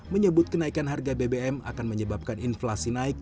menyebut kenaikan harga bbm akan menyebabkan inflasi naik